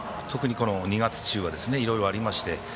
特に２月中はいろいろありまして。